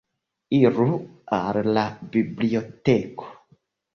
Iru al la biblioteko.